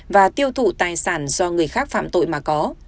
và tiêu thụ tài sản do người khác phạm tội mà có